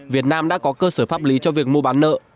việt nam đã có cơ sở pháp lý cho việc mua bán nợ